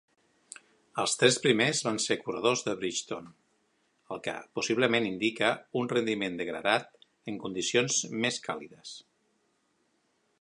Els tres primers van ser corredors de Bridgestone, el que possiblement indica un rendiment degradat en condicions més càlides.